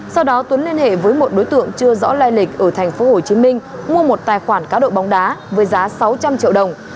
sau đó tuấn liên hệ với một đối tượng chưa rõ lai lịch ở tp hcm mua một tài khoản cá độ bóng đá với giá sáu trăm linh triệu đồng